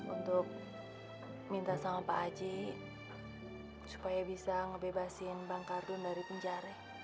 untuk minta sama pak aji supaya bisa ngebebasin bang kardun dari penjara